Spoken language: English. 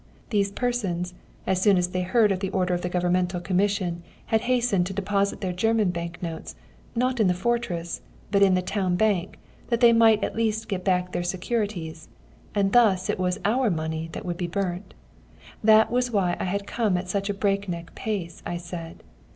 These persons, as soon as they heard of the order of the Governmental Commission, had hastened to deposit their German bank notes not in the fortress, but in the town bank, that they might at least get back their securities; and thus it was our money that would be burnt. That was why I had come at such a break neck pace, I said.